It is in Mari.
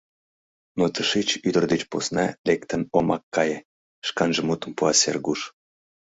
Но тышеч ӱдыр деч посна лектын омак кае! — шканже мутым пуа Сергуш.